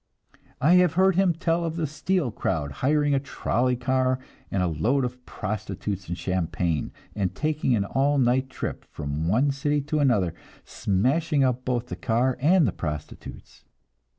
I have heard him tell of the "steel crowd" hiring a trolley car and a load of prostitutes and champagne, and taking an all night trip from one city to another, smashing up both the car and the prostitutes.